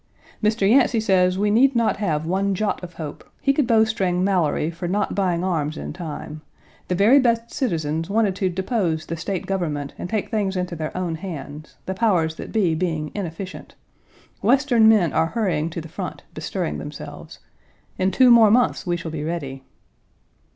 "Mr. Yancey says we need not have one jot of hope. He could bowstring Mallory for not buying arms in time. The very best citizens wanted to depose the State government and take things into their own hands, the powers that be being inefficient. Western men are hurrying to the front, bestirring themselves. In two more months we shall be ready."